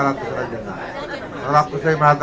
nah waktu saya matang saya tahu ada yang suatu ya